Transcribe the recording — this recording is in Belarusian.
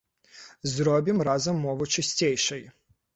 Зробім разам мову чысцейшай!